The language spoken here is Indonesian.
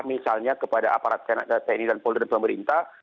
misalnya kepada aparat teknik dan poler dan pemerintah